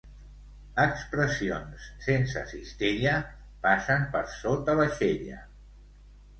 Expressions sense cistella passen per sota l'aixella.